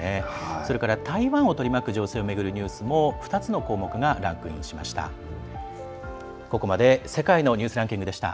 それから台湾を取り巻く情勢を巡るニュースも２つの項目がランクインしました。